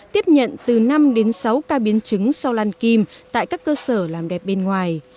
tiếp nhận từ năm đến sáu ca biến chứng sau lan kim tại các cơ sở làm đẹp bên ngoài